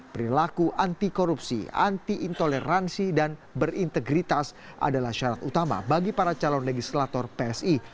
perilaku anti korupsi anti intoleransi dan berintegritas adalah syarat utama bagi para calon legislator psi